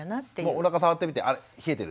おなか触ってみてあ冷えてる。